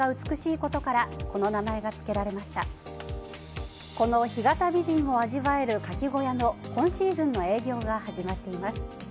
この、ひがた美人を味わえるカキ小屋の今シーズンの営業が始まっています。